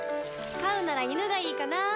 飼うなら犬がいいかな。